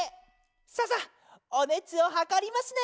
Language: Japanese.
さあさあおねつをはかりますね！